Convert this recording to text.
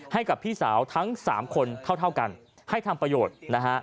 ให้กับพี่สาวทั้ง๓คนเท่ากันให้ทำประโยชน์นะฮะ